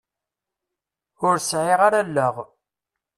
Ur sɛiɣ ara allaɣ.